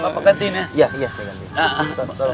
pak perhatikan ya